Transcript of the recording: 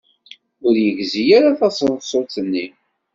Ur yegzi ara taseḍsut-nni.